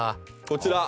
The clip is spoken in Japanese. こちら！